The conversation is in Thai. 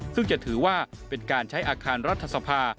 ซึ่งจะถือว่าเป็นการใช้อาคารรัฐสภา